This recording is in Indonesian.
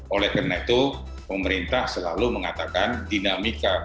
oleh karena itu pemerintah selalu mengatakan dinamika